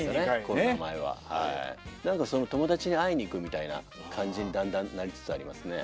コロナ前は年に２回ね何かその友達に会いに行くみたいな感じにだんだんなりつつありますね